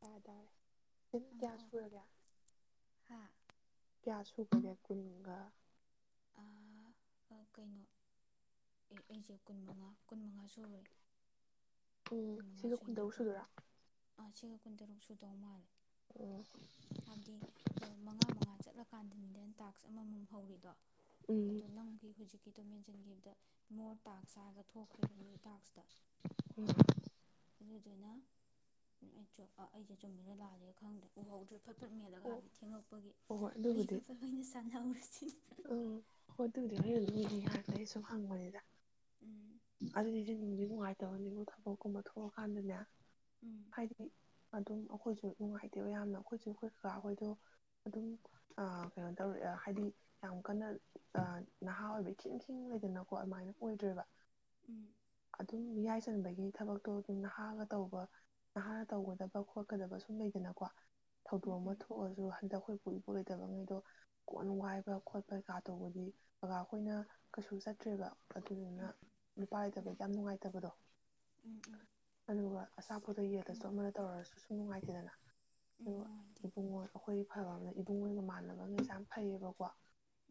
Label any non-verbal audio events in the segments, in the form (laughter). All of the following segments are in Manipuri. ꯌꯥ ꯇꯔꯦ ꯁꯤꯤꯟ ꯑꯥ ꯀꯌꯥ ꯑꯣ ꯁꯨꯔꯒꯦ ꯍꯥ ꯀꯌꯥꯁꯨꯨ ꯀꯦ ꯀꯨꯟꯒ ꯑ ꯀꯩꯅꯣ ꯑꯦ ꯑꯩꯁꯦ ꯀꯨꯟ ꯃꯉꯥ ꯀꯨꯟ ꯃꯉꯥ ꯁꯨꯔꯦ ꯎꯝ ꯁꯤꯒ ꯀꯨꯟ ꯇꯔꯨꯛ ꯁꯨꯗꯔꯥ ꯥ ꯑꯁꯤꯁꯤꯡꯒ ꯀꯨꯟꯇꯔꯨꯛ ꯁꯨꯗꯧ ꯃꯥꯜꯜꯂꯤ ꯎꯝ ꯍꯥꯏꯕꯗꯤ ꯃꯉꯥ ꯃꯉꯥ ꯆꯠꯂꯀꯥꯟꯗ ꯑꯗꯨ ꯗꯦꯟ ꯇꯥꯛꯁ ꯑꯃꯃꯝ ꯍꯧꯔꯤꯗꯣ ꯎꯝ ꯑꯗ ꯅꯪꯒꯤ ꯍꯧꯖꯤꯛꯀꯤ ꯇ ꯃꯦꯟꯁꯤꯟꯈꯤꯕꯗ ꯃꯣꯔ ꯇꯥꯛ ꯍꯛꯆꯥꯥꯔꯒ ꯊꯣꯛꯈ꯭ꯔꯦꯔꯤꯕ ꯅ꯭ꯌꯨ ꯗꯥꯛꯁꯇ ꯑꯗꯨꯗꯨꯅ ꯑꯩ ꯑꯩꯁꯦ ꯆꯨꯝꯃꯤꯅ ꯂꯥꯜꯂꯦ ꯈꯪꯗ꯭ꯔꯦ ꯎꯍꯧꯗ꯭ꯔꯤꯕ ꯐꯠ ꯐꯠ ꯃꯦꯜꯂꯒ ꯑꯣ ꯍꯥꯏꯕꯤ ꯊꯦꯡꯉꯛꯄꯒꯤ ꯍꯣꯏ ꯍꯣꯏ ꯋꯥꯔꯤ ꯑꯗꯨꯕꯨꯗꯤ ꯐꯕꯠ ꯂꯣꯏꯅ ꯁꯥꯟꯅꯍꯧꯔꯦ ꯉ ꯎꯝ ꯍꯣ ꯑꯗꯨꯨꯗꯤ ꯂꯩꯅꯤ ꯉꯇ ꯑꯩ ꯁꯨꯝ ꯍꯪꯕꯅꯤꯗ ꯎꯝ ꯐ ꯁꯤꯁꯦ ꯅꯨꯡꯁꯤ ꯅꯨꯡꯉꯥꯏꯇꯕꯁꯤꯕꯨ ꯊꯕꯛꯀꯨꯝꯕ ꯊꯣꯛꯑꯀꯥꯟꯗꯅꯦ ꯎꯝ ꯍꯥꯏꯗꯤꯕꯤ ꯑꯗꯨꯝ ꯑꯩꯈꯣꯏꯁꯨ ꯅꯨꯡꯉꯥꯏꯇꯦꯕ ꯌꯥꯝꯅ ꯑꯩꯈꯣꯏꯁꯨ ꯑꯩꯈꯣꯏ ꯀꯀꯥ ꯑꯩꯈꯣꯏꯗꯣ ꯑꯗꯨꯝ ꯀꯩꯅꯣ ꯇꯧꯔ ꯍꯥꯏꯗꯤ ꯌꯥꯝ ꯀꯟꯅ ꯅꯍꯥ ꯑꯣꯏꯕ ꯏꯊꯤ ꯏꯁꯤꯡ ꯂꯩꯗꯅꯀꯣ ꯑꯗꯨꯃꯥꯏꯅ ꯑꯣꯏꯗ꯭ꯔꯦꯕ ꯎꯝ ꯑꯗꯨꯝ ꯌꯥꯏ ꯆꯟꯕꯒꯤ ꯊꯕꯛꯇꯣ ꯑꯗꯨꯝ ꯅꯍꯥꯒ ꯇꯧꯕ ꯅꯍꯥꯒ ꯇꯧꯒꯗꯕ ꯈꯣꯠꯀꯗꯕ ꯁꯨꯝ ꯂꯩꯗꯅꯀꯣ ꯊꯧꯗꯣꯛ ꯎꯝ ꯑꯃ ꯎꯝ ꯊꯣꯛꯑꯁꯨ ꯍꯟꯗꯛ ꯑꯩꯈꯣꯏ ꯄꯨ ꯏꯄꯔꯣꯏꯗꯕꯉꯩꯗꯣ ꯀꯣꯟ ꯅꯨꯡꯉꯥꯏ ꯕ ꯈꯣꯠꯄ ꯀꯩꯀꯥ ꯇꯧꯕꯗꯤ ꯀꯥꯈꯣꯏꯅ ꯀꯩꯁꯨ ꯆꯠꯇ꯭ꯔꯦꯕ ꯑꯗꯨꯗꯨꯅ ꯎꯝ ꯎꯝ ꯎꯝ ꯅꯨꯄꯥꯏꯇꯕꯒꯤ ꯌꯥꯝ ꯅꯨꯡꯉꯥꯏꯇꯕꯗꯣ ꯎꯝ ꯎꯝ ꯑꯗꯨꯒ ꯑꯁ ꯑꯆꯥꯄꯣꯠꯇ ꯌꯦꯜꯗꯁꯨ ꯎꯝ ꯑꯃꯅ ꯇꯧꯔꯁꯨ ꯅꯨꯡꯉꯥꯏꯇꯦꯗꯅ ꯎꯝ ꯑꯗꯣ ꯅꯨꯡꯉꯥꯏꯇꯦ ꯏꯕꯨꯡꯉꯣ ꯑꯩꯈꯣꯏ ꯑꯐꯕ ꯑꯃꯅ ꯏꯕꯨꯡꯉꯒ ꯃꯥꯟꯅꯕ ꯑꯃꯁꯁꯦ ꯌꯥꯝ ꯐꯩꯌꯦꯕꯀꯣ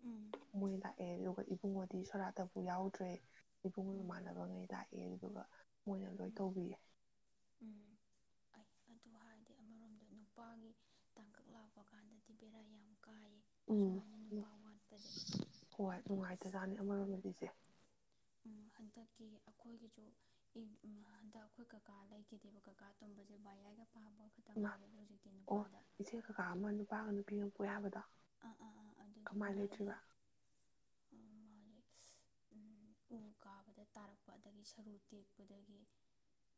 ꯎꯝ ꯏ ꯂꯥꯏ ꯂꯥꯛꯑꯦ ꯑꯗꯨꯒ ꯏꯕꯨꯡꯉꯣꯗꯤ ꯁꯣꯔꯥꯠꯇꯕꯨ ꯌꯥꯎꯗ꯭ꯔꯦ ꯏꯕꯨꯡꯒ ꯎꯝ ꯏꯃꯥꯟꯅꯕꯉꯩ ꯂꯥꯛꯑꯦ ꯑꯗꯨꯗꯨꯒ ꯃꯣꯏꯅ ꯂꯣꯏ ꯎꯝ ꯇꯧꯕꯤꯌꯦ ꯎꯝ ꯑꯩ ꯑꯗꯨ ꯍꯥꯏꯔꯗꯤ ꯑꯃꯔꯣꯝꯗ ꯅꯨꯄꯥꯒꯤ ꯇꯥꯡꯀꯛ ꯂꯥꯛꯄ ꯀꯥꯟꯗꯗꯤ ꯕꯦꯔꯥ ꯌꯥꯝ ꯀꯥꯏꯌꯦ ꯎꯝ ꯁꯨꯃꯥꯏꯅ ꯎ ꯅꯨꯄꯥ ꯋꯥꯠꯄꯁꯦ ꯍꯣꯏ ꯍꯥꯏꯕꯗꯤ ꯅꯨꯡꯉꯥꯏꯇꯖꯥꯅꯤ ꯑꯃꯔꯣꯝꯗ ꯂꯤꯁꯦ ꯍꯟꯗꯛꯀꯤ ꯑꯩꯈꯣꯏꯒꯤꯁꯨ ꯍꯟꯗꯛ ꯑꯩꯈꯣꯏ ꯀꯀꯥ ꯂꯩꯈꯤꯗꯦꯕ ꯀꯀꯥ ꯇꯨꯝꯕꯁ (inaudible) ꯏ ꯑꯣ ꯏꯆꯦ ꯀꯀꯥ ꯑꯃ ꯅꯨꯄꯥꯒ ꯅꯨꯄꯤ ꯑꯃ ꯌꯥꯕꯗ ꯑ ꯑꯥ ꯑꯥ ꯀꯃꯥꯏꯅ ꯂꯩꯇ꯭ꯔꯤꯕ ꯍꯧꯖꯤꯛ ꯎ ꯀꯥꯕꯗ ꯇꯥꯔꯛꯄ ꯑꯗꯒꯤ ꯁꯔꯨ ꯇꯦꯛꯄꯗꯒꯤ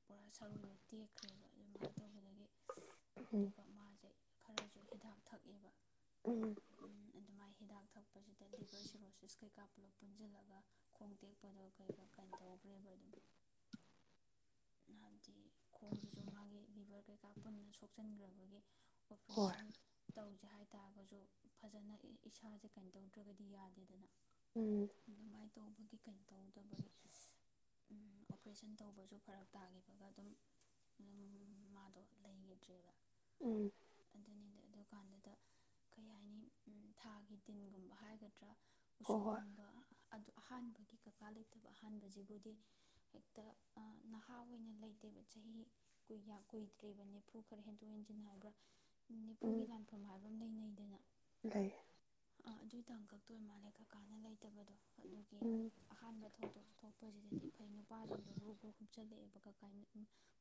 ꯄꯨꯔꯥ ꯁꯔꯨꯗꯣ ꯇꯦꯛꯈ꯭ꯔꯦꯕ ꯑꯗꯨꯃꯥꯏꯅ ꯇꯧꯕꯗꯒꯤ ꯎꯝ ꯑꯗꯨꯒ ꯃꯥꯁꯦ ꯈꯔꯁꯨ ꯍꯤꯗꯥꯛ ꯊꯛꯑꯦꯕ ꯎꯝ ꯑꯗꯨꯃꯥꯏꯅ ꯍꯤꯗꯥꯛ ꯊꯛꯄ ꯁꯤꯗ ꯂꯤꯕꯔ ꯁꯤꯔꯣꯁꯤꯁ ꯀꯩ ꯀꯥꯞ ꯄꯨꯂꯞ ꯄꯨꯟꯁꯤꯜꯂꯒ ꯈꯣꯡ ꯇꯦꯛꯄꯗꯣ ꯀꯩ ꯀꯥꯏꯅ ꯇꯧꯈ꯭ꯔꯦꯕ ꯑꯗꯨꯝ ꯍꯥꯏꯕꯗꯤ ꯈꯣꯡꯁꯤꯁꯨ ꯃꯥꯒꯤ ꯂꯤꯚꯔ ꯀꯩꯀꯥ ꯄꯨꯟꯅ ꯁꯣꯛꯆꯟꯈ꯭ꯔꯕꯒꯤ ꯍꯣꯏ ꯑꯣꯄꯔꯦꯁꯟ ꯇꯧꯁꯦ ꯍꯥꯏꯇꯥꯔꯒꯁꯨ ꯐꯖꯅ ꯏꯁꯥꯁꯦ ꯀꯩꯅꯣ ꯇꯧꯗ꯭ꯔꯒꯗꯤ ꯌꯥꯗꯦꯗꯅ ꯎꯝ ꯑꯗꯨꯃꯥꯏꯅ ꯇꯧꯕꯒꯤ ꯀꯩꯅ ꯇꯧꯗꯕꯒꯤ ꯑꯣꯄꯔꯦꯁꯟ ꯇꯧꯕꯁꯨ ꯐꯔꯛ ꯇꯥꯈꯤꯕꯒ ꯑꯗꯨꯝ ꯃꯥꯗꯣ ꯂꯩꯈꯤꯗ꯭ꯔꯦꯕ ꯎꯝ ꯑꯗꯨꯅꯤꯗ ꯑꯗꯨꯀꯥꯟꯗꯨꯗ ꯀꯩ ꯍꯥꯏꯅꯤ ꯊꯥꯒꯤ ꯗꯤꯟꯒꯨꯝꯕ ꯍꯥꯏꯒꯗ꯭ꯔꯥ ꯍꯣ ꯍꯣꯏ ꯎꯁꯣꯞꯀꯨꯝꯕ ꯑꯗꯨ ꯑꯍꯥꯟꯕꯒꯤ ꯀꯀꯥ ꯂꯩꯇꯕ ꯑꯍꯥꯟꯕꯁꯤꯕꯨꯗꯤ ꯍꯦꯛꯇ ꯊꯥ ꯑꯣꯏꯅ ꯂꯩꯇꯦꯕ ꯆꯍꯤ ꯀꯨꯏꯗ꯭ꯔꯤꯕ ꯅꯅꯤꯐꯨ ꯈꯔ ꯍꯦꯟꯗꯣꯛ ꯍꯦꯟꯖꯤꯟ ꯍꯥꯏꯕ꯭ꯔꯥ ꯅꯤꯐꯨꯒꯤ ꯎꯝ ꯂꯥꯟꯐꯝ ꯍꯥꯏ ꯂꯩ ꯑꯥ ꯑꯗꯨꯏꯇꯪ ꯀꯛꯇꯣꯏ ꯃꯥꯜꯂꯦ ꯀꯀꯥꯅ ꯂꯩꯇꯕꯗꯣ ꯑꯗꯨꯒꯤ ꯎꯝ ꯑꯍꯥꯟꯕ ꯊꯧꯗꯣꯛ ꯊꯣꯛꯄꯁꯤꯗꯗꯤ ꯐꯩ ꯅꯨꯄꯥꯁꯤꯡꯗꯣ ꯒ꯭ꯔꯨꯞ ꯒ꯭ꯔꯨꯞꯨꯝ ꯂꯩꯛꯑꯦꯕꯀ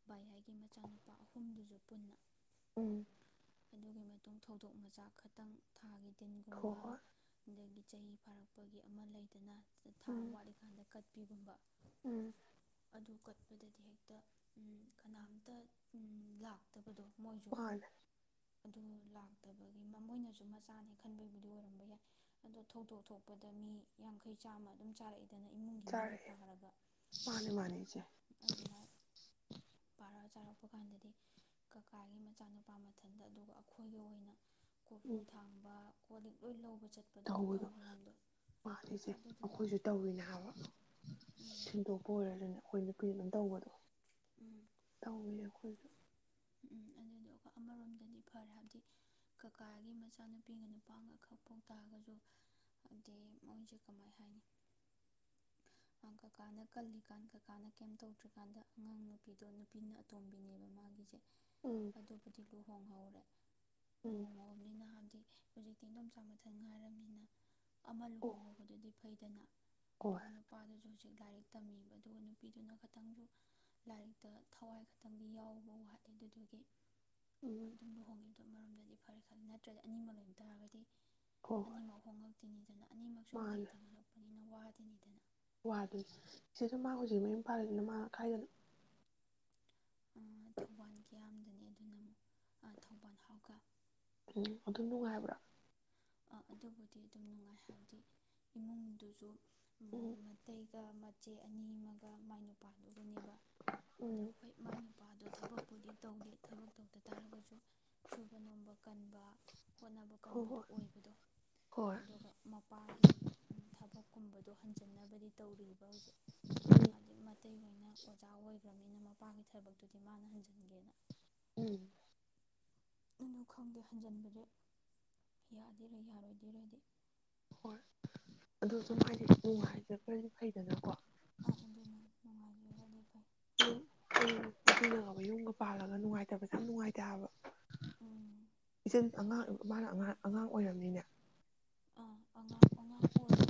ꯚꯥꯏ ꯍꯥꯏꯒꯤ ꯃꯆꯥꯅꯨꯄꯥ ꯑꯍꯨꯝꯗꯨꯁꯨ ꯄꯨꯟꯅ ꯎꯝ ꯑꯗꯨꯒꯤ ꯃꯇꯨꯡ ꯊꯧꯗꯣꯛ ꯃꯆꯥ ꯈꯛꯇꯪ ꯊꯥꯈꯤ ꯍꯣꯏ ꯍꯣꯏ ꯆꯍꯤ ꯐꯥꯔꯛꯄꯒꯤ ꯑꯃ ꯂꯩꯗꯅ ꯊꯥ ꯑꯃ ꯎꯝ ꯋꯥꯠꯂꯤꯀꯥꯟꯗ ꯀꯠ ꯄꯤꯒꯨꯝꯕ ꯎꯝ ꯍꯧꯀꯠꯄꯗꯗꯤ ꯍꯦꯛꯇ ꯀꯅꯥꯝꯇ ꯂꯥꯛꯇꯕꯗꯣ ꯃꯣꯏꯁꯨ ꯋꯥꯟ ꯑꯗꯨ ꯂꯥꯛꯇꯕꯒꯤ ꯃꯃꯣꯏꯅꯁꯨ ꯃꯆꯥꯅꯦ ꯈꯟꯕꯒꯤꯕꯨꯗꯤ ꯑꯣꯏꯔꯝꯕ ꯌꯥꯏ ꯑꯗꯣ ꯊꯧꯗꯣꯛ ꯊꯣꯛꯄꯗ ꯃꯤ ꯌꯥꯡꯈꯩ ꯆꯥꯝꯃ ꯑꯗꯨꯝ ꯆꯥꯔꯛꯏ ꯆꯔ ꯃꯥꯅꯤ ꯃꯥꯅꯤꯁ ꯄꯥꯔꯛ ꯆꯥꯔꯛꯄ ꯀꯥꯟꯗꯗꯤ ꯀꯀꯥꯒꯤ ꯃꯆꯥꯅꯨꯄꯥ ꯃꯊꯟꯗ ꯑꯗꯨꯒ ꯑꯩꯈꯣꯏꯒꯤ ꯑꯣꯏꯅ ꯀꯣꯔꯣꯐꯨ ꯎꯝ ꯊꯥꯡꯕ (inaudible) ꯄꯨꯈꯝ ꯇꯧꯕꯗꯣ ꯃꯌꯥꯝꯗꯣ ꯃꯥꯜꯂꯤꯁꯦ ꯑꯗꯨꯗꯨꯅ ꯑꯩꯈꯣꯏꯁꯨ ꯇꯧꯋꯅꯦ ꯍꯥꯏꯕ ꯎꯝ ꯁꯤꯟꯗꯣꯛꯄ ꯑꯣꯏꯔ ꯑꯗꯨꯅ ꯑꯩꯈꯣꯏꯅ ꯀꯔꯤ ꯑꯗꯨꯝ ꯇꯧꯕꯗꯣ ꯎꯝ ꯇꯧꯋꯦ ꯑꯩꯈꯣꯏ ꯎꯝ ꯑꯗꯨꯗ ꯑꯩꯣꯏ ꯑꯃꯔꯣꯝꯗꯗꯤ ꯐꯔꯦ ꯍꯥꯏꯕꯗꯤ ꯀꯀꯥꯒꯤ ꯃꯆꯥꯅꯨꯄꯤꯒ ꯅꯨꯄꯥꯒ ꯈꯛ ꯐꯥꯎ ꯇꯥꯔꯒꯁꯨ ꯍꯥꯏꯗꯤ ꯃꯣꯏꯁꯦ ꯀꯃꯥꯏ ꯍꯥꯏꯅꯤ ꯀꯀꯥꯅ ꯀꯜꯂꯤꯀꯥꯟ ꯀꯀꯥꯅ ꯀꯩꯝ ꯇꯧꯗ꯭ꯔꯤꯀꯥꯟꯗ ꯑꯉꯥꯡ ꯅꯨꯄꯤꯗꯣ ꯅꯨꯄꯤꯅ ꯑꯇꯣꯝꯕꯤꯅꯦꯕ ꯃꯥꯒꯤꯁꯦ ꯎꯝ ꯑꯗꯨꯕꯨꯗꯤ ꯂꯣ ꯊꯣꯡꯍꯧꯔꯦ ꯎꯝ ꯍꯧꯖꯤꯛꯇꯤ ꯏꯗꯣꯝꯆꯥ ꯃꯊꯪ ꯉꯥꯏꯔꯕꯝꯅꯤꯅ ꯑꯃ ꯑꯣ ꯂꯨꯍꯣꯡꯉꯧꯕꯗꯨꯗꯤ ꯐꯩ ꯇ ꯍꯣꯏ ꯅꯨꯄꯥꯥꯗ ꯍꯧꯖꯤꯛ ꯂꯥꯏꯔꯤꯛ ꯇꯝꯃꯤꯕ ꯑꯗꯨꯒ ꯅꯨꯄꯤꯗꯨꯅ ꯈꯤꯇꯪꯁꯨ ꯂꯥꯏꯔꯤꯛꯇ ꯊꯋꯥꯏ ꯈꯛꯇꯪꯗꯤ ꯌꯥꯎꯕ ꯋꯥꯏ ꯑꯗꯨꯗꯨꯒꯤ ꯑꯗꯨ ꯎꯝ ꯑꯗꯨꯝ ꯂꯍꯣꯡꯦ ꯑꯗꯨ ꯃꯔꯣꯗꯗꯤ ꯐꯔꯦ ꯈꯜꯂꯤ ꯅꯠꯇ꯭ꯔꯗꯤ ꯑꯅꯤꯡꯕ ꯂꯣꯏꯕ ꯇꯥꯔꯒꯗꯤ ꯍꯣ ꯍꯣꯏ ꯑꯅꯤꯃꯛ ꯍꯣꯡꯉ ꯇꯤꯟꯗꯅ ꯑꯅꯤꯃꯛꯁꯨ ꯃꯍꯩ ꯇꯝꯍꯜꯂꯛꯄꯅꯤ ꯑꯩꯅ ꯋꯥꯗꯅꯤꯗꯅ ꯋꯥꯗꯨꯅꯤ ꯁꯤꯁꯨ ꯃꯥ ꯍꯧꯖꯤꯛ ꯃꯌꯨꯝ ꯄꯥꯜꯂꯤꯅꯤꯅ ꯃꯥ ꯈꯥꯏꯗꯅꯨ ꯊꯧꯕꯥꯜ ꯀꯌꯥꯝꯗꯅꯦ ꯑꯊꯧꯕꯥꯜ ꯍꯥꯎꯒ꯫ ꯎꯝ ꯑꯗꯨꯝ ꯅꯨꯡꯉꯥꯏꯕ꯭ꯔꯥ꯫ ꯑꯗꯨꯕꯨꯗꯤ ꯑꯗꯨꯝ ꯅꯨꯡꯉꯥꯏ ꯍꯥꯏꯕꯗꯤ ꯏꯃꯨꯡꯗꯨꯁꯨ꯫ ꯎꯝ ꯃꯇꯩꯒ ꯃ꯫ ꯆꯦ ꯑꯅꯤ ꯃꯒ ꯃꯥꯏꯅꯨ꯫ ꯅꯨꯄꯥꯗꯨꯕꯨꯅꯦꯕ ꯑꯗ ꯎꯝ ꯍꯣꯏ ꯃꯥꯏ ꯅꯨꯄꯥꯗꯣ ꯊꯕꯛꯄꯨꯗꯤ ꯇꯧꯗꯦ ꯊꯕꯛ ꯇꯧꯗ ꯇꯥꯔꯒꯁꯨ ꯁꯨꯕ ꯅꯣꯝꯕ꯫ ꯀꯟꯕ꯫ ꯍꯣꯠꯅꯕ ꯍꯣꯏ ꯍꯣꯏ ꯀꯟꯕꯗꫭ꯫ ꯑꯣꯏꯕꯗꯣ ꯍꯣꯏ ꯑꯗꯨꯒ ꯃꯄꯥꯒꯤ ꯊꯕꯛꯀꯨꯝꯕ꯫ ꯑꯗꯣ ꯍꯟꯖꯤꯟꯅꯕꯗꯤ ꯇꯧꯔꯤꯕ ꯍꯧꯖꯤꯛ ꯍꯥꯏꯗꯤ ꯃꯇꯩ ꯑꯣꯏꯅ ꯑꯣꯖꯥ ꯑꯣꯏꯒ꯭ꯔꯝꯃꯤꯅ ꯃꯄꯥꯒꯤ ꯊꯕꯛꯇꯨꯗꯤ ꯃꯥꯅ ꯍꯟꯖꯟꯒꯦꯅ꯫ ꯎꯝ꯫ ꯑꯗꯨꯅꯨ ꯈꯪꯗꯦ ꯍꯟꯖꯤꯟꯕꯁꯦ ꯌꯥꯗꫭꯏꯔ ꯌꯥꯔꯣꯏꯗꯤꯔꯁ‌ꯦ꯫ ꯍꯣꯏ ꯑꯣ ꯑꯗꯨꯝ ꯍꯥꯏꯗꯤ ꯎꯨꯡ ꯍꯥꯏꯖ ꯈ꯭ꯔꯗꯤ ꯐꯩꯗꯅꯀꯣ꯫ ꯃꯥꯒꯤꯑꯣꯗꯤꯐꯩ꯫ ꯎ ꯎ ꯅꯕ ꯌꯨꯝꯒ ꯄꯥꯜꯂꯒ ꯅꯨꯡꯉꯥꯏ꯫ ꯍꯇꯕꯁꯦ ꯌꯥꯝ ꯅꯨꯡꯉꯥꯏꯇꯦꯕ ꯏꯆꯟ ꯑꯉꯥꯡ ꯃꯥꯅ ꯑꯉꯥꯡ ꯑꯉꯥꯡ ꯑꯣꯏꯔꯕꯝꯅꯤꯅꯦ꯫ ꯑꯉꯥꯡ ꯑꯉꯥꯡ ꯑꯣꯏꯌꯦ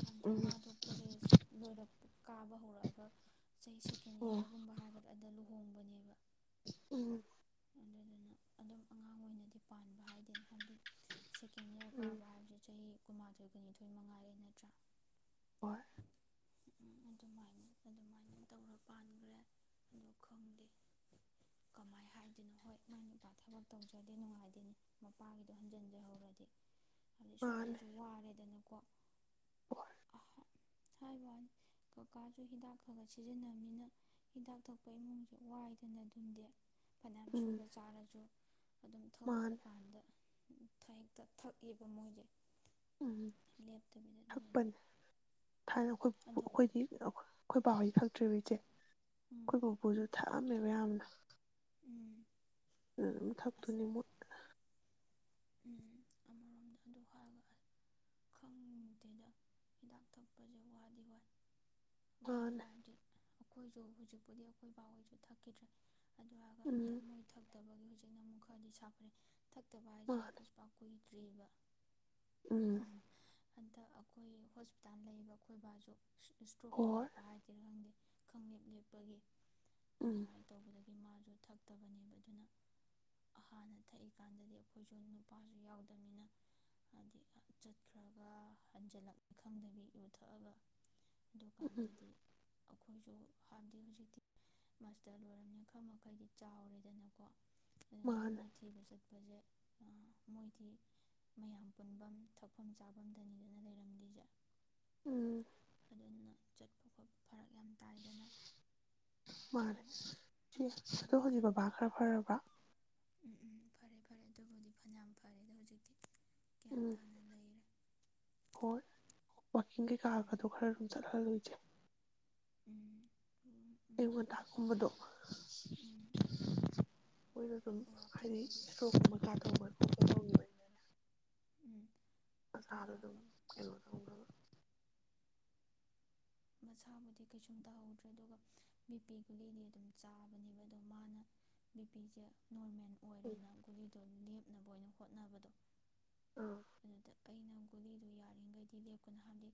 ꯍꯥꯏꯕꯗꯤ ꯎꯝ ꯃꯥꯗꯣ ꯀꯣꯂꯦꯖ ꯂꯣꯏꯔꯛꯄ꯫ ꯀꯥꯕ ꯍꯧꯔꯛꯑꯒ꯫ ꯆꯍꯤ ꯁꯦꯀꯦꯟ ꯑꯣ ꯏꯌꯥꯔꯒꯨꯝꯕ ꯍꯥꯏꯒꯗ꯭ꯔꯥ꯫ ꯑꯗ ꯂꯨꯍꯣꯡꯕꯅꯦꯕ꯫ ꯎꯝ꯫ ꯑꯗꯨꯗꯨꯅ ꯑꯗꯨꯝ ꯑꯉꯥꯡ ꯑꯣꯏꯅꯗꯤ ꯄꯥꯟꯕ ꯍꯥꯏꯗꯅꯦ ꯍꯥꯏꯕꯗꯤ꯫ ꯁꯦꯀꯦꯟ ꯏꯌꯥꯔ ꯎꯝ ꯀꯥꯕ ꯍꯥꯏꯕꯁꯤ ꯆꯍꯤ ꯀꯨꯟꯃꯥꯊꯣꯏ ꯀꯨꯟꯅꯤꯊꯣꯏ ꯃꯉꯥꯔꯦ ꯅꯠꯇ꯭ꯔꯥ꯫ ꯍꯣꯏ ꯎꯝ ꯑꯗꯨꯃꯥꯏꯅ ꯑꯗꯨꯃꯥꯏꯅ ꯇꯧꯔ ꯄꯥꯟꯒ꯭‌ꯔꯦ ꯑꯗꯨ ꯈꯪꯗꯦ ꯀꯃꯥꯏ ꯍꯥꯏ ꯑꯗꯨꯅ ꯍꯣꯏ ꯃꯥꯏ ꯅꯨꯄꯥ ꯊꯕꯛ ꯇꯧꯖꯗꯦ ꯅꯨꯡꯉꯥꯏꯗꯦꯅꯤ ꯃꯄꯥꯒꯤꯗꯣ ꯍꯟꯖꯤꯟꯖꯍꯧꯔꯗꯤ꯫ ꯃꯥꯅꯦ ꯁꯣꯝꯗꯁꯨ ꯋꯥꯔꯦꯗꯅꯀꯣ꯫ ꯍꯣꯏ꯫ ꯍꯥꯏꯕꯩ ꯋꯥꯅꯤ ꯀꯀꯥꯁꯨ ꯍꯤꯗꯥꯛ ꯈꯔ ꯈ ꯁꯤꯖꯤꯟꯅꯕꯅꯤꯅ ꯍꯤꯗꯥꯛ ꯊꯛꯄ ꯏꯃꯨꯡꯁꯦ ꯋꯥꯏꯗꯅ ꯑꯗꯨꯝꯗꯤ‌꯫ ꯐꯅꯌꯥꯝ ꯁꯨꯔ ꯎꯝ ꯆꯥꯔꯁꯨ ꯑꯗꯨꯝ ꯊꯣꯛꯂꯛꯄ ꯃꯥꯅꯦ ꯀꯥꯟꯗ ꯊꯦꯛꯇ ꯊꯛꯑꯦꯕ ꯃꯣꯏꯗꯤ꯫ ꯎꯝ ꯑꯗꯨꯗꯨꯅ ꯊꯛꯄꯅꯦ ꯊꯥꯏꯅ ꯑꯩꯈꯣꯏ ꯑꯗꯣ ꯑꯈꫭꯏꯗꯤ ꯑꯈꯣꯏ ꯄ ꯍꫭꯏ ꯊꯛꯇ꯭ꯔꯤꯕ ꯏꯆꯦ ꯎꯝ ꯑꯈꫭꯏ ꯄꯨꯄꯨꯖꯨ ꯊ ꯑꯝꯃ‌ꯦꯕ ꯌꯥꯝꯅ ꯎꯝ (unintelligible) ꯑꯁ ꯊꯥꯛꯇꯣꯏꯅ‌ꯦ ꯃꯣꯏ꯫ ꯎꯝ ꯑꯃꯔꯣꯝꯗ ꯑꯗꯨ ꯍꯥꯏꯔꯒ ꯈꯪꯗꯦꯗ ꯍꯤꯗꯥꯛ ꯊꯛꯄꯁꯦ ꯋꯥꯗꯤ ꯋꯥꯏ ꯋꯥꯗꯤ ꯃꯥꯅꯦ ꯋꯥꯗꯤ ꯑꯩꯈꯣꯏꯁꯨ ꯍꯧꯖꯤꯛꯄꯨꯗꯤ ꯑꯩꯈꯣꯏ ꯕꯥꯍꯣꯏꯁꯨ ꯊꯛꯈꯤꯗ꯭ꯔꯦ꯫ ꯑꯗꯨ ꯍꯥꯏꯔꯒ ꯎꯝ ꯊꯃꯣꯏ ꯊꯛꯇꯕꯒꯤ ꯍꯧꯖꯤꯛ ꯑꯃꯨꯛ ꯈꯔꯗꯤ ꯁꯥꯐꯔꯤꯅꯦ꯫ ꯊꯛꯇꯕ ꯍꯥꯏꯖꯦ ꯃꯥꯅꯦ ꯀꯨꯏꯗ꯭ꯔꯤꯕ ꯎꯝ꯫ ꯍꯟꯗꯛ ꯑꯩꯈꯣꯏ ꯍꯣꯁꯄꯤꯇꯥꯜ ꯂꯩꯕ ꯈꯣꯏꯕꯥꯁꯨ ꯏꯁꯇ꯭ꯔꯣꯛ ꯍꯣꯏ ꯇꯧꯔꯛꯄ ꯍꯥꯏꯗꯤꯔꯥ ꯈꯪꯗꯦ ꯈꯪꯂꯦꯞ - ꯂꯦꯞꯄꯒꯤ꯫ ꯎꯝ ꯑꯗꯨꯃꯥꯏꯅ ꯇꯧꯕꯗ ꯃꯥꯁꯨ ꯊꯛꯇꯕꯅꯦꯕ ꯑꯗꯨꯅ ꯍꯥꯟꯅ ꯊꯛꯏ ꯀꯥꯟꯗꯗꯤ ꯑꯩꯈꯣꯏꯁꯨ ꯅꯨꯄꯥꯁꯨ ꯌꯥꯎꯗꯕꯅꯤꯅ ꯍꯥꯏꯗꯤ ꯆꯠꯈ꯭ꯔꯒ ꯍꯟꯖꯜꯂꯛꯅꯤ ꯈꯪꯗꯕꯤ ꯌꯨ ꯊꯛꯑꯒ ꯎꯝ - ꯎꯝ꯫ ꯑꯗꯨꯀꯥꯟꯗꯗꯤ ꯑꯩꯈꯣꯏꯁꯨ ꯍꯥꯏꯕꯗꯤ ꯍꯧꯖꯤꯛꯇꯤ ꯃꯥꯁꯇꯔ ꯂꯣꯏꯔꯕꯅꯤꯅ ꯈꯔ ꯃꯈꯩꯗꯤ ꯆꯥꯎꯔꯦꯗꯅꯀꯣ ꯑꯗꯨꯅ ꯃꯥꯅꯦ ꯃꯣꯏ ꯊꯤꯕ ꯆꯠꯄꯖꯦ ꯃꯣꯏꯗꯤ ꯃꯌꯥꯝ ꯄꯨꯟꯕꯝ ꯊꯛꯐꯝ ꯆꯥꯕꯝꯗꯅꯤꯗꯅ ꯂꯩꯔꯝꯗꯤꯖꯦ ꯎꯝ ꯫ ꯑꯗꯨꯅ ꯆꯠꯄ ꯈꯣꯠꯄ ꯐꯔꯛ ꯌꯥꯝ ꯇꯥꯏꯗꯅ ꯃꯥꯅꯦ ꯁꯤ ꯑꯗꯣ ꯍꯣꯏꯒꯤ ꯄꯦꯟꯕꯖꯥꯠ ꯕꯕꯥ ꯈꯔ ꯐꯔꯥꯕ꯭ꯔꯥ ꯎꯝ ꯎꯝ ꯐꯔꯦ ꯐꯔꯦ ꯑꯗꯨꯕꯨꯗꯤ ꯐꯅꯤꯌꯥꯝ ꯐꯔꯦꯗ ꯍꯧꯖꯤꯛꯇꯤ ꯒ꯭ꯌꯥꯟ ꯎꯝ ꯇꯥꯅ ꯂꯩꯔꯦ ꯍꯣꯏ ꯋꯥꯛꯀꯤꯡ ꯎꯝ ꯀꯩꯀꯥꯒꯗꯣ ꯈꯔ ꯑꯗꯨꯝ ꯆꯠꯍꯜꯂꯨ ꯏꯆꯦ ꯎꯝ ꯎꯝ ꯎꯝ ꯑꯌꯨꯛ ꯉꯟꯇꯥ ꯒꯨꯝꯕꯗꯣ ꯋꯥꯛꯀꯤꯡ ꯎꯝ ꯃꯣꯏꯗꯣ ꯁꯨꯝ ꯍꯥꯏꯗꯤ ꯋꯥꯛꯀꯤꯡꯕꯨꯗꯤ ꯁꯇ꯭ꯔꯣꯛ ꯒꯨꯝꯕ ꯇꯥꯞꯇꯥ ꯇꯧꯕ ꯈꯣꯠꯄ ꯇꯧꯒꯤꯕꯒꯤꯅꯦ ꯎꯝ ꯑꯗꯨ ꯑꯁꯥꯗ ꯍꯥꯏꯔꯒ ꯑꯗꯨꯝ ꯀꯩꯅꯦ ꯇꯧꯅꯕ ꯃꯁꯥꯕꯨꯗꯤ ꯀꯩꯁꯨꯝ ꯇꯥꯍꯧꯗ꯭ꯔꯦ ꯑꯗꯨꯒ ꯕꯤꯄꯤ ꯒꯨꯂꯤꯗꯤ ꯑꯗꯨꯝ ꯆꯥꯕꯅꯦꯕ ꯑꯗꯣ ꯃꯥꯅ ꯕꯤꯄꯤꯖꯦ ꯎꯝ ꯂꯦꯞꯅꯕ ꯑꯣꯏꯅ ꯍꯣꯠꯅꯕꯗꯣ ꯑꯥ ꯑꯗꯨꯗ ꯑꯩꯅ ꯒꯨꯂꯤꯗꯣ ꯌꯥꯔꯤꯒꯩꯗꯤ ꯂꯦꯞꯀꯅꯣ ꯍꯥꯏꯗꯤ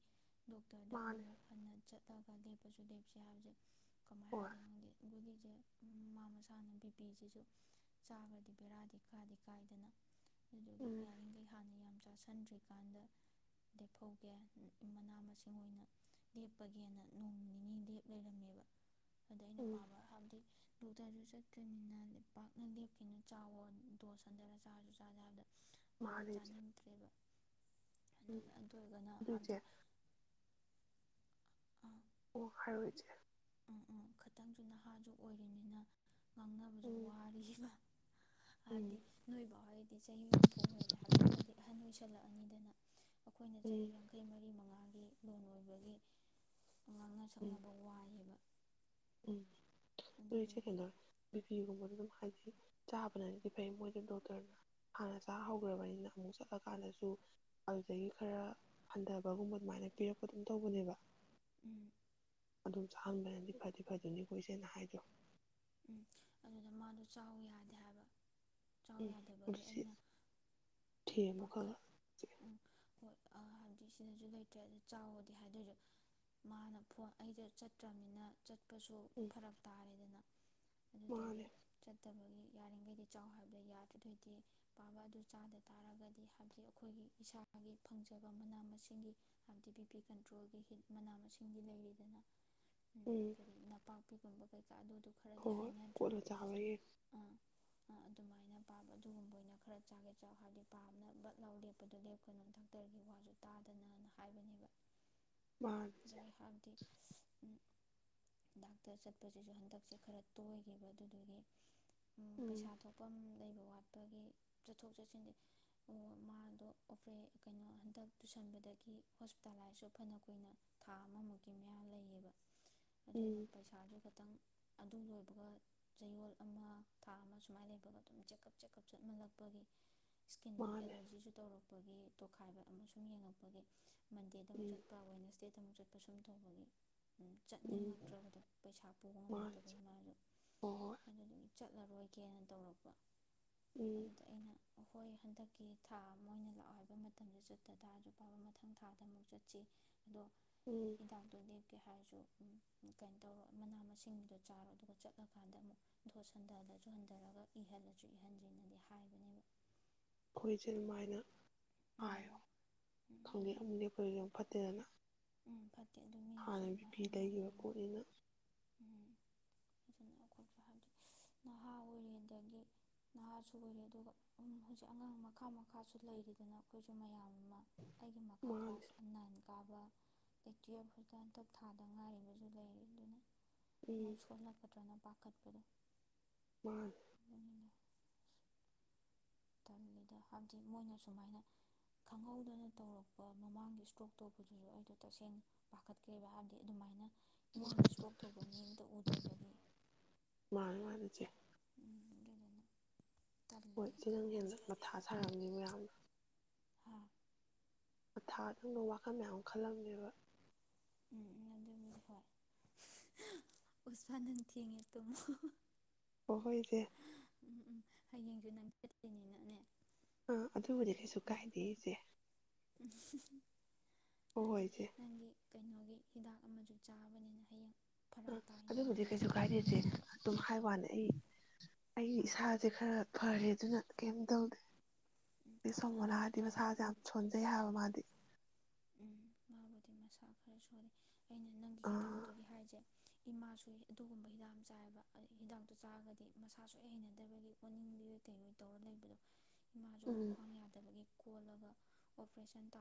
ꯗꯣꯛꯇꯔꯗ ꯃꯥꯅꯦ ꯑꯃꯨꯛ ꯆꯠꯂꯒ ꯂꯦꯞꯄꯁꯨ ꯂꯦꯞꯁꯦ ꯍꯥꯏꯕꯖꯦ ꯑꯣ ꯒꯨꯂꯤꯁꯦ ꯃꯥ ꯃꯁꯥꯅ ꯕꯤꯄꯤꯁꯤꯁꯨ ꯆꯥꯒꯔꯥꯗꯤ ꯕꯦꯔꯥꯗꯤ ꯀꯥꯗꯤ ꯀꯥꯏꯗꯅ ꯑꯗꯨꯒꯤ ꯎꯝ ꯌꯥꯔꯤꯈꯒꯩ ꯍꯥꯟꯅ ꯌꯥꯝ ꯆꯥꯁꯟꯗ꯭ꯔꯤꯀꯥꯟꯗ ꯂꯦꯐꯧꯒꯦ ꯃꯅꯥ ꯃꯁꯤꯡ ꯑꯣꯏꯅ ꯂꯦꯞꯄꯒꯦꯅ ꯅꯣꯡ ꯅꯤꯅꯤ ꯂꯦꯞ ꯂꯩꯔꯝꯃꯦꯕ ꯑꯗ ꯑꯩꯅ ꯎꯝ ꯄꯥꯕ ꯍꯝꯗꯤ ꯗꯣꯛꯇꯔꯁꯨ ꯆꯠꯇꯣꯏꯅꯤꯅ ꯄꯥꯛꯅ ꯂꯦꯞꯈꯤꯅꯨ ꯆꯥꯎꯋꯣ ꯗꯣꯁ ꯍꯟꯗꯔ ꯆꯥꯔꯖꯨ ꯆꯥꯖꯦ ꯍꯥꯏꯕꯗ ꯃꯥꯗꯥ ꯃꯥꯅꯦ ꯏꯆꯦ ꯆꯥꯅꯤꯡꯗ꯭ꯔꯦꯕ ꯎꯝ ꯑꯗꯨꯅ ꯑꯗꯨ ꯑꯣꯏꯒꯅ ꯑꯗꯨ ꯏꯆꯦ ꯍꯥꯞꯗꯤ ꯑꯣ ꯍꯥꯏꯔꯣꯏꯆꯦ ꯎꯝ ꯈꯇꯪꯖꯨ ꯅꯍꯥꯖꯨ ꯑꯣꯏꯔꯤꯅꯤꯅ ꯉꯥꯡꯅꯕꯖꯨ ꯎꯝ ꯋꯥꯔꯤ ꯏꯕ ꯎꯝ ꯍꯥꯏꯕꯗꯤ ꯅꯣꯏꯐꯥꯎ ꯍꯣꯏꯗꯤ ꯆꯍꯤ ꯍꯨꯝꯐꯨ ꯍꯍꯜꯂꯦ ꯍꯥꯏꯕꯗꯣ ꯈꯔꯗꯤ ꯑꯍꯟ ꯑꯣꯏꯁꯜꯂꯛꯑꯅꯤꯗꯅ ꯑꯩꯈꯣꯏꯅ ꯆꯍꯤ ꯎꯝ ꯌꯥꯡꯈꯩ ꯃꯔꯤ ꯃꯉꯥ ꯅꯣꯡ ꯅꯣꯏꯕꯒꯤ ꯉꯥꯡꯅ ꯎꯝ ꯁꯛꯅꯕ ꯋꯥꯏꯑꯦꯕ ꯎꯝ ꯑꯗꯨꯗꯨꯒꯤ ꯅꯣꯏꯆꯀꯅ ꯏ ꯐꯤ ꯒꯨꯝꯕ ꯍꯥꯏꯗ ꯆꯥꯕꯅꯗꯤ ꯐꯩ ꯃꯣꯏꯗ ꯗꯣꯛꯇꯔꯅ ꯍꯥꯟꯅ ꯆꯥ ꯍꯧꯈ꯭ꯔꯕꯅꯤꯅ ꯑꯃꯨꯛ ꯆꯠꯂꯀꯥꯟꯗꯁꯨ ꯑꯗꯨꯗꯒꯤ ꯈꯔ ꯍꯟꯊꯕꯒꯨꯝꯕ ꯑꯗꯨꯃꯥꯏꯅ ꯄꯤꯔꯛꯄ ꯑꯗꯨꯝ ꯇꯧꯕꯅꯦꯕ ꯎꯝ ꯑꯗꯨꯝ ꯆꯥꯍꯟꯕꯅꯗꯤ ꯐꯗꯤ ꯐꯗꯅꯤ ꯀꯣꯏ ꯁꯦꯅ ꯍꯥꯏꯗꯣ ꯎꯝ ꯑꯗꯨꯗ ꯃꯥꯗꯣ ꯆꯥꯎ ꯌꯥꯗꯦ ꯍꯥꯏꯕ ꯆꯥꯎ ꯎꯝ ꯌꯥꯗꯕꯒꯤ ꯆꯤ ꯑꯩꯅ ꯊꯦꯃꯣ ꯈ ꯈꯥ ꯍꯥꯕꯞꯗꯤ ꯁꯤꯗꯖꯨ ꯂꯩꯇ꯭ꯔꯦ ꯑ ꯆꯥꯎꯗꯤ ꯍꯥꯏꯗꯁꯨ ꯃꯥꯅ ꯐꯣꯟ ꯑꯩꯗ ꯆꯠꯇ꯭ꯔꯝꯅꯤꯅ ꯆꯠꯄꯁꯨ ꯎꯝ ꯐꯔꯛ ꯇꯥꯔꯦꯗꯅ ꯑꯗꯨꯗꯒꯤ ꯃꯥꯅꯦ ꯆꯠꯇꯕꯒꯤ ꯌꯥꯔꯤꯒꯩꯗꯤ ꯆꯥꯎ ꯍꯥꯏꯕꯗ ꯌꯥꯗ꯭ꯔꯗ ꯗꯣꯏꯗꯤ ꯄꯥꯕ ꯑꯗꯨ ꯆꯥꯗ ꯇꯥꯔꯒꯗꯤ ꯍꯥꯏꯕꯗꯤ ꯑꯈꯣꯏꯒꯤ ꯏꯁꯥꯒꯤ ꯐꯪꯖꯕ ꯃꯅꯥ ꯃꯁꯤꯡꯒꯤ ꯍꯥꯏꯕꯗꯤ ꯕꯤꯄꯤ ꯀꯟꯇ꯭ꯔꯣꯜꯒꯤ ꯍꯤꯠ ꯃꯅꯥ ꯃꯁꯤꯡꯗꯤ ꯂꯩꯔꯤꯗꯅ ꯎꯝ ꯄꯤꯒꯨꯝꯕ ꯀꯩꯀ ꯑꯗꯨ ꯑꯗꯨ ꯍꯣ ꯍꯣꯏ ꯀꯣꯠꯂ ꯆꯑꯌꯦ ꯑꯥ ꯑꯗꯨꯃꯥꯏꯅ ꯄꯥꯕ ꯑꯗꯨꯒꯨꯝꯕ ꯑꯣꯏꯅ ꯈꯔ ꯆꯥꯒꯦ ꯆ ꯍꯥꯏꯕꯗꯤ ꯄꯥꯕꯅ ꯕꯠ ꯂꯥꯎ ꯂꯦꯞꯄꯗꯨ ꯂꯦꯞꯀꯅꯨ ꯗꯥꯛꯇꯔꯒꯤ ꯋꯥꯁꯨ ꯇꯥꯗꯅꯅ ꯍꯥꯏꯕꯅꯦꯕ ꯃꯥꯅꯦ ꯑꯗꯒꯤ ꯍꯥꯏꯕꯗꯤ ꯗꯥꯛꯇ ꯆꯠꯄꯁꯤꯁꯨ ꯍꯟꯗꯛ ꯄꯛꯁꯦ ꯈꯔ ꯇꯣꯏꯒꯤꯕ ꯑꯗꯨꯗꯨꯒꯤ ꯎꯝ ꯄꯩꯁꯥ ꯊꯣꯛꯄꯝ ꯂꯩꯔꯨ ꯋꯥꯠꯄꯒꯤ ꯆꯠꯊꯣꯛ ꯆꯠꯁꯤꯟꯗꯤ ꯎ ꯃꯥꯗꯣ ꯑꯣꯄꯔꯦ ꯀꯩꯅꯣ ꯍꯟꯗꯛ ꯇꯨꯁꯟꯕꯗꯒꯤ ꯍꯣꯁꯄꯤꯇꯥꯂꯥꯏꯁꯁꯨ ꯐꯅ ꯀꯨꯏꯅ ꯊꯥ ꯑꯃꯃꯨꯛꯀꯤ ꯃꯌꯥ ꯂꯩꯌꯦꯕ ꯑꯗꯨꯅ ꯎꯝ ꯄꯩꯁꯥꯁꯨ ꯈꯇꯪ ꯑꯗꯨ ꯂꯣꯏꯕꯒ ꯆꯌꯣꯜ ꯑꯃ ꯊꯥ ꯑꯃ ꯁꯨꯃꯥꯏꯅ ꯂꯩꯕꯒ ꯑꯗꯨꯝ ꯆꯦꯛꯀꯞ ꯆꯦꯛꯀꯞ ꯆꯠꯃꯜꯂꯛꯄꯒꯤ ꯏꯁꯀꯤꯟ ꯃꯥꯅꯦ ꯑꯦꯂꯔꯖꯤꯁꯨ ꯇꯧꯔꯛ ꯕꯒꯤ ꯇꯣꯈꯥꯏꯕ ꯑꯃꯁꯨꯡ ꯌꯦꯡꯉꯛꯄꯒꯤ ꯃꯟꯗꯨꯛ ꯎꯝ ꯆꯠꯄ ꯋꯦꯅꯦꯁꯗ ꯑꯃꯨꯛ ꯆꯠꯄ ꯁꯨꯝ ꯇꯧꯕꯅꯤ ꯎꯝ ꯆꯠꯅꯤꯡꯉꯛꯇ꯭ꯔꯕꯗꯣ ꯄꯩꯁꯥ ꯄꯨꯕ ꯉꯝꯃꯛꯇ ꯃꯥꯅꯦ ꯇꯧꯕꯩ ꯃꯥꯔ ꯍꯣꯏ ꯍꯣꯏ ꯑꯗꯨ ꯆꯠꯂꯔꯣꯏꯒꯦꯅ ꯇꯧꯔꯛꯄ ꯎꯝ ꯑꯗꯨꯗ ꯑꯩꯅ ꯑꯩꯈꯣꯏ ꯍꯟꯗꯛꯀꯤ ꯊꯥ ꯃꯣꯏꯅ ꯂꯥꯛꯑꯣ ꯍꯥꯏꯕ ꯃꯇꯝꯗ ꯆꯠꯇ ꯇꯥꯔꯁꯨ ꯄꯥꯕ ꯃꯊꯪ ꯊꯥꯗ ꯑꯃꯨꯛ ꯆꯠꯁꯤ ꯑꯗꯣ ꯎꯝ ꯍꯤꯗꯥꯛꯇꯨꯗꯤ ꯀꯦ ꯍꯥꯏꯔꯁꯨ ꯀꯩꯅꯣ ꯇꯧꯔ ꯃꯅꯥ ꯃꯁꯤꯡꯗꯨ ꯆꯥꯔꯣ ꯑꯗꯨꯒ ꯆꯠꯂꯀꯥꯟꯗ ꯑꯃꯨꯛ ꯣꯠ ꯍꯟꯊꯍꯜꯂꯁꯨ ꯍꯟꯊꯔꯒ ꯏꯍꯜꯂꯁꯨ ꯏꯍꯟꯗꯦꯅꯗꯤ ꯍꯥꯏꯕꯅꯦꯕ ꯑꯩꯈꯣꯏꯁꯦ ꯅꯨꯡꯃꯥꯏꯅ ꯎꯝ ꯍꯥꯏꯌꯣ ꯎꯝ ꯈꯪꯉꯦ ꯑꯗꯨꯅ ꯑꯃꯅꯦꯦ ꯑꯩꯈꯣꯏꯒ ꯐꯠꯇꯦꯗꯅ ꯎꯝ ꯐꯠꯇꯦ ꯑꯗꯨ ꯃꯤꯅꯁꯨ ꯍꯥꯟꯅ ꯕꯤ ꯑꯗꯨꯃꯥꯏꯅ ꯄꯤ ꯂꯩꯈꯤꯕ ꯍꯥꯏꯅꯕꯅꯤꯅ ꯄꯣꯠꯅꯤꯅ ꯎꯝ ꯐꯅ ꯑꯩꯈꯣꯏꯁꯨ ꯍꯥꯏꯗꯤ ꯅꯍꯥ ꯑꯣꯏꯔꯤꯦꯗꯒꯤ ꯅꯍꯥꯁꯨ ꯑꯣꯏꯔꯦ ꯑꯗꯨꯒ ꯍꯧꯖꯤꯛ ꯑꯉꯥꯡ ꯃꯈꯥ ꯃꯈꯥꯁꯨ ꯂꯩꯔꯤꯗꯅ ꯑꯩꯈꯣꯏꯁꯨ ꯃꯌꯥꯝ ꯑꯃ ꯑꯩꯒꯤ ꯃꯈꯀꯥ ꯃꯥꯅꯦ ꯀ꯭ꯂꯥꯁ ꯑꯅꯥꯏꯅꯤ ꯀꯥꯕ ꯑ ꯇꯨꯌꯦꯐ ꯈꯛꯇ ꯍꯟꯇꯛ ꯊꯥꯗ ꯉꯥꯏꯔꯤꯕꯁꯨ ꯂꯩꯔꯤ ꯑꯗꯨꯅ ꯃꯣꯏ ꯎꯝ ꯁꯣꯜꯂꯛꯀꯗ꯭ꯔꯅ ꯂꯧꯈꯠꯄꯤꯗ ꯋꯥꯜ ꯇꯜꯂꯤꯗ ꯍꯥꯏꯕꯗꯤ ꯃꯣꯏꯅ ꯁꯨꯃꯥꯏꯅ ꯈꯪꯍꯧꯗꯅ ꯇꯧꯔꯛꯄ ꯃꯃꯥꯡꯒꯤ ꯏꯁꯇ꯭ꯔꯣꯛ ꯇꯧꯕꯗꯨꯁꯨ ꯑꯩꯗꯣ ꯇꯁꯦꯡꯅ ꯄꯥꯈꯠꯈ꯭ꯔꯦꯕ ꯍꯥꯏꯕꯗꯤ ꯑꯗꯨꯃꯥꯏꯅ ꯏꯃꯨꯡꯗ ꯏꯁꯇ꯭ꯔꯣꯛ ꯇꯧꯕ ꯃꯤ ꯑꯝꯇ ꯎꯗ꯭ꯔꯕꯒꯤ ꯃꯥꯅꯦ ꯃꯥꯅꯦ ꯏꯆꯦ ꯍꯣꯏ ꯇꯜꯂꯦ ꯆꯦꯗꯪ ꯈꯪꯗꯦ ꯍꯦꯟꯅ ꯃꯊꯥ ꯁꯥꯔꯝꯅꯤ ꯃꯌꯥꯝꯅ ꯍꯥ ꯃꯊꯥ ꯑꯗꯨꯪꯕ ꯋꯥꯈꯜ ꯃꯌꯥꯝ ꯑꯃ ꯈꯜꯂꯝꯃꯦꯕ ꯎꯝ ꯑꯗꯨꯅꯤ ꯍꯣꯏ ꯎ ꯐꯥꯅꯪ ꯊꯦꯡꯉꯦ ꯇꯨꯝꯃꯣ ꯍꯣꯏꯁꯦ ꯎꯝ ꯎꯝ ꯍꯌꯦꯡꯁꯨ ꯅꯪ ꯆꯦꯠꯇꯣꯏꯅꯤꯅꯅꯦ ꯑꯥ ꯑꯗꯨꯕꯨꯗꯤ ꯀꯩꯁꯨ ꯀꯥꯏꯗꯦ ꯏꯆꯦ ꯎ ꯍꯣꯏ ꯍꯣꯏ ꯑꯗꯗꯤ ꯏꯆꯦ ꯅꯪꯒꯤ ꯀꯩꯅꯣꯒꯤ ꯍꯤꯗꯥꯛ ꯑꯃꯁꯨ ꯆꯥꯕꯅꯤꯅ ꯍꯌꯦꯡ ꯑ ꯐꯔꯛ ꯇꯥꯏꯗꯅ ꯑꯗꯨꯕꯨꯗꯤ ꯀꯩꯁꯨ ꯀꯥꯏꯔꯗ꯭ꯔꯦ ꯑꯗꯨꯝ ꯍꯥꯏ ꯋꯥꯅꯦ ꯑꯩ ꯑꯩ ꯏꯁꯥꯁꯦ ꯈꯔ ꯐꯔꯦ ꯑꯗꯨꯅ ꯀꯩꯝ ꯇꯧꯗꯦ ꯎꯝ ꯑ ꯁꯣꯃꯣꯂꯥ ꯑꯗꯨ ꯍꯥꯏꯗꯤ ꯇꯧꯗꯦ ꯃꯁꯥꯁꯦ ꯌꯥꯝ ꯁꯣꯟꯖꯩ ꯍꯥꯏꯕ ꯃꯥꯗꯤ ꯎꯝ ꯃꯥꯕꯨꯗꯤ ꯃꯁꯥ ꯈꯔ ꯁꯜꯂꯤ ꯑꯩꯅ ꯅꯪꯒꯤ ꯑꯥ ꯍꯤꯗꯥꯛꯇꯨꯒꯤ ꯍꯥꯏꯁꯦ ꯏꯃꯥꯁꯨ ꯑꯗꯨꯒꯨꯝꯕ ꯍꯤꯗꯥꯛ ꯆꯥꯏꯌꯦꯕ ꯍꯤꯗꯥꯛꯇꯨ ꯆꯥꯔꯒꯗꯤ ꯃꯁꯥꯁꯨ ꯍꯩꯅꯗꯕꯒꯤ ꯑꯣꯠꯅꯤꯡꯕꯤꯣꯏ ꯀꯩꯔꯣꯏ ꯇꯧꯔ ꯂꯩꯕꯗꯣ ꯏꯃꯥꯁꯨ ꯎꯝ ꯃꯈ꯭ꯋꯥꯡ ꯌꯥꯗꯕꯒꯤ ꯀꯣꯜꯂꯒ ꯑꯣꯄꯔꯦꯁꯟ ꯇꯥ